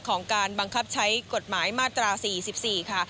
ของการบังคับใช้กฎหมายมาตรา๔๔ค่ะ